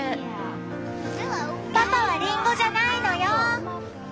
パパはリンゴじゃないのよ！